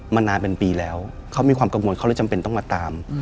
นานเป็นปีแล้วเขามีความกังวลเขาเลยจำเป็นต้องมาตาม